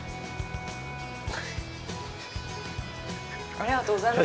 ありがとうございます。